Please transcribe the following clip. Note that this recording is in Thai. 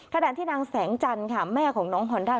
ขณะที่นางแสงจันทร์ค่ะแม่ของน้องฮอนด้า